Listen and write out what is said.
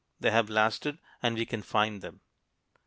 They have lasted, and we can find them.